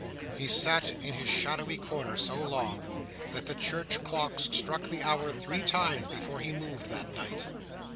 He sat in his shadowy corner so long, that the church clocks struck the hour three times before he moved that night.